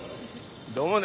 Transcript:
どうもね。